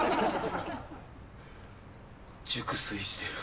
熟睡してる。